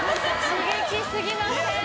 刺激すぎません？